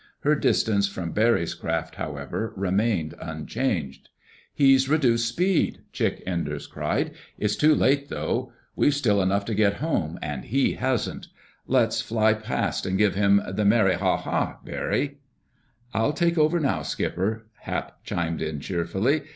Her distance from Barry's craft, however, remained unchanged. "He's reduced speed!" Chick Enders cried. "It's too late, though. We've still enough to get home, and he hasn't. Let's fly past and give him the merry ha ha, Barry." "I'll take over now, Skipper," Hap chimed in cheerfully.